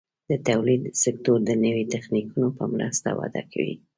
د تولید سکتور د نوي تخنیکونو په مرسته وده کوي.